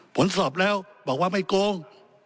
ผลสอบแล้วบอกว่าไม่โกง